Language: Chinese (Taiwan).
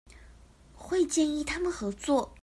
會建議他們合作